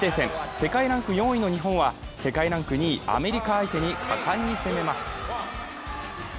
世界ランク４位の日本は世界ランク２位・アメリカ相手に果敢に攻めます。